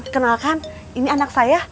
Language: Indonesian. kenalkan ini anak saya